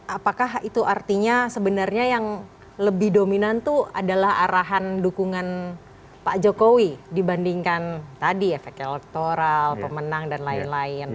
apakah itu artinya sebenarnya yang lebih dominan itu adalah arahan dukungan pak jokowi dibandingkan tadi efek elektoral pemenang dan lain lain